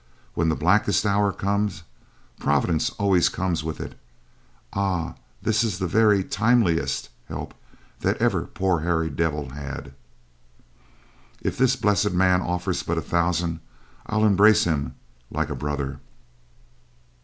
When the blackest hour comes, Providence always comes with it ah, this is the very timeliest help that ever poor harried devil had; if this blessed man offers but a thousand I'll embrace him like a brother!"